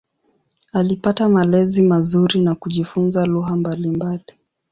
Alipata malezi mazuri na kujifunza lugha mbalimbali.